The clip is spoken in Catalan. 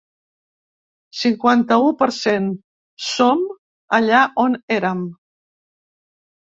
Cinquanta-u per cent Som allà on érem.